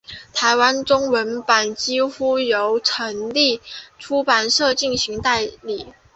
台湾中文版几乎由东立出版社进行代理。